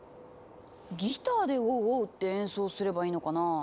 ギターで「ウォウウォウ」って演奏すればいいのかな？